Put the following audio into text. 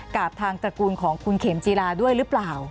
กับทางตระกูลของคุณเข็มจีราด้วยหรือเปล่า